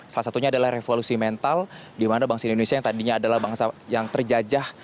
salah satunya adalah revolusi mental di mana bangsa indonesia yang tadinya adalah bangsa yang terjajah